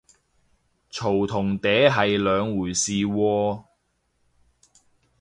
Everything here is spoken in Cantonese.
嘈同嗲係兩回事喎